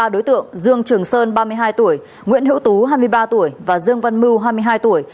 ba đối tượng dương trường sơn ba mươi hai tuổi nguyễn hữu tú hai mươi ba tuổi và dương văn mưu hai mươi hai tuổi